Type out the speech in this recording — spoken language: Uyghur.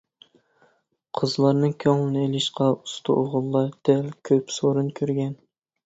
قىزلارنىڭ كۆڭلىنى ئېلىشقا ئۇستا ئوغۇللار دەل كۆپ سورۇن كۆرگەن.